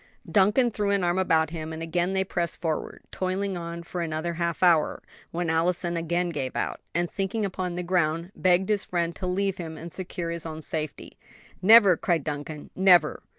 Duncan threw an arm about him, and again they pressed forward, toiling on for another half hour; when Allison again gave out, and sinking upon the ground, begged his friend to leave him and secure his own safety. "Never!" cried Duncan, "never!